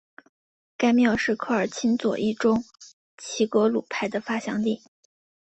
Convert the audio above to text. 该庙是科尔沁左翼中旗格鲁派的发祥地。